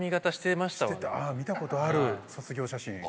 見たことある卒業写真。